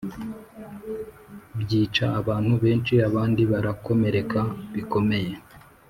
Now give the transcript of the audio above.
byica abantu benshi abandi barakomereka bikomeye